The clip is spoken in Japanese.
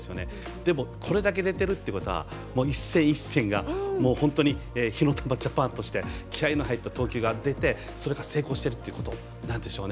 でもこれだけ出ているということは一戦一戦が本当に火ノ玉ＪＡＰＡＮとして気合いが入った投球ができてそれが成功しているということなんでしょう。